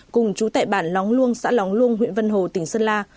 cùng chú tại bản lóng luông xã lóng luông huyện vân hồ tỉnh sơn la